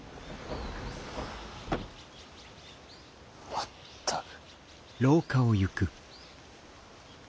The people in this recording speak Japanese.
まったく。